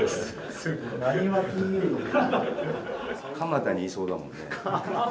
蒲田にいそうだもんね。